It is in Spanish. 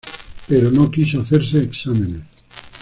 Pero no quiso hacerse exámenes.